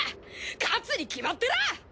勝つに決まってら！